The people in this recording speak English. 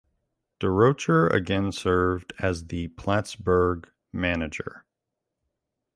Durocher again served as the Plattsburgh manager.